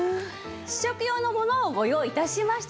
試食用のものをご用意致しました。